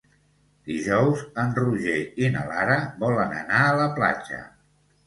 Dijous en Roger i na Lara volen anar a la platja.